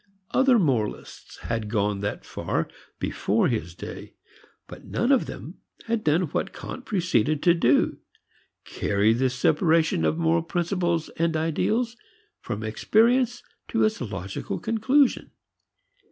Other moralists had gone that far before his day. But none of them had done what Kant proceeded to do: carry this separation of moral principles and ideals from experience to its logical conclusion.